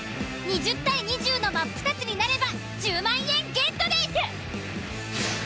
２０：２０のマップタツになれば１０万円ゲットです！